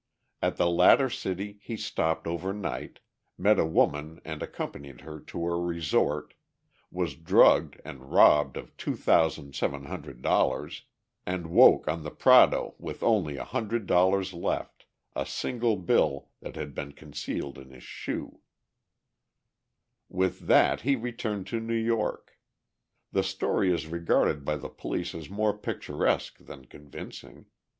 At the latter city he stopped over night, met a woman and accompanied her to a resort, was drugged and robbed of $2,700, and woke on the Prado with only $100 left, a single bill that had been concealed in his shoe. With that he returned to New York. The story is regarded by the police as more picturesque than convincing.